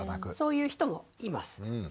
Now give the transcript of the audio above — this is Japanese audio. そういう人もいます。